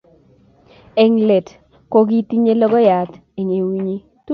Eng leet kokitonyei logoyat eng eunnyi